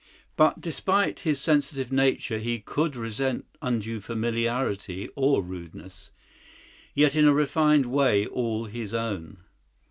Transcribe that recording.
But despite his sensitive nature, he could resent undue familiarity or rudeness, yet in a refined way all his own.